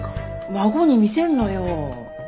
孫に見せんのよ。